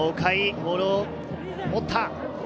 ボールを持った。